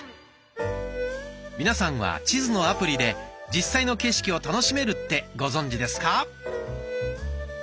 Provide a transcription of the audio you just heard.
皆さんは地図のアプリで実際の景色を楽しめるってご存じですか？